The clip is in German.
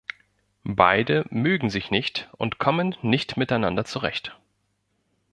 Beide mögen sich nicht und kommen nicht miteinander zurecht.